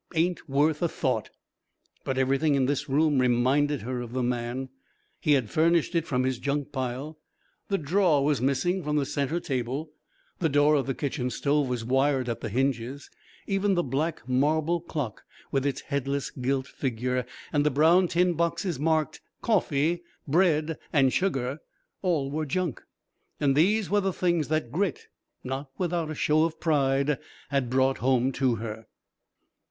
"Ain't worth a thought." But everything in the room reminded her of the man. He had furnished it from his junk pile. The drawer was missing from the centre table, the door of the kitchen stove was wired at the hinges; even the black marble clock, with its headless gilt figure, and the brown tin boxes marked "Coffee," "Bread," and "Sugar" all were junk. And these were the things that Grit, not without a show of pride, had brought home to her!